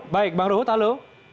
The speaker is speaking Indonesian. baik bang ruhut halo